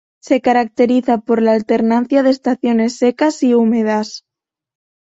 Se caracteriza por la alternancia de estaciones secas y húmedas.